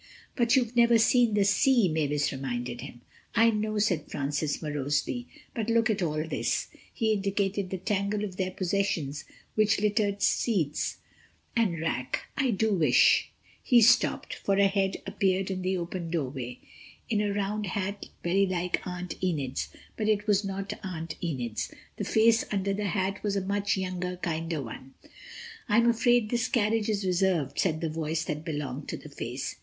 "But you've never seen the sea," Mavis reminded him. "I know," said Francis, morosely, "but look at all this—" he indicated the tangle of their possessions which littered seats and rack—"I do wish—" He stopped, for a head appeared in the open doorway—in a round hat very like Aunt Enid's—but it was not Aunt Enid's. The face under the hat was a much younger, kinder one. "I'm afraid this carriage is reserved," said the voice that belonged to the face.